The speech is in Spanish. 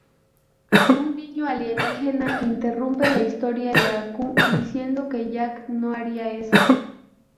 Un niño alienígena interrumpe la historia de Aku diciendo que Jack no haría eso.